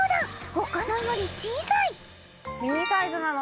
他のより小さい！